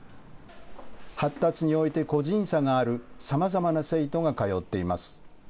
発達において個人差がある、さまざまな生徒が通っています。